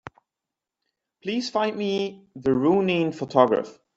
Please find me the Rounin photograph.